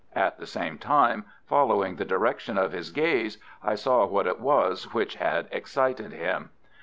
At the same time, following the direction of his gaze, I saw what it was which had excited him.